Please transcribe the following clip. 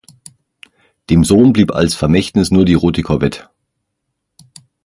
Dem Sohn blieb als Vermächtnis nur die rote Corvette.